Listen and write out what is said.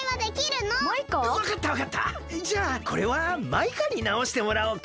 じゃあこれはマイカになおしてもらおうか。